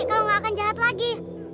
kalau nggak akan jahat lagi